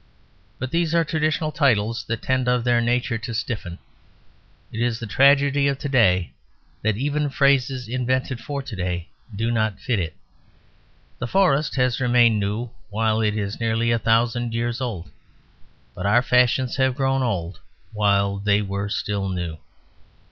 But these are traditional titles that tend, of their nature, to stiffen; it is the tragedy of to day that even phrases invented for to day do not fit it. The forest has remained new while it is nearly a thousand years old; but our fashions have grown old while they were still new.